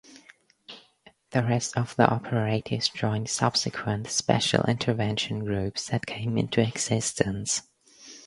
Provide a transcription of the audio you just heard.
The rest of the operators joined subsequent special intervention groups that came into existence.